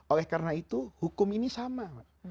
oleh karena itu hukum ini sama